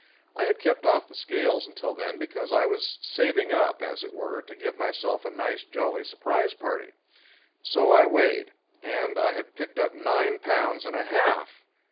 I had kept off the scales until then because I was saving up, as it were, to give myself a nice jolly surprise party. So I weighed. And I had picked up nine pounds and a half!